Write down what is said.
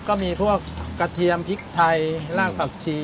ก็มีพวกกระเทียมพริกไทยรากผักชี